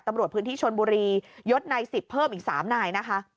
ตำรวจพื้นที่ชนบุรียดใน๑๐เพิ่มอีก๓นายนะคะ